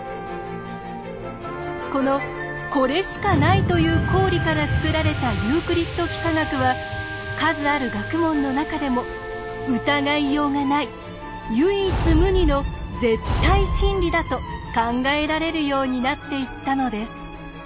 この「これしかない」という公理から作られたユークリッド幾何学は数ある学問の中でも「疑いようがない唯一無二の絶対真理」だと考えられるようになっていったのです。